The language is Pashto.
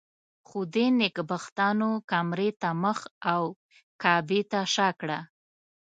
خو دې نېکبختانو کامرې ته مخ او کعبې ته شا کړه.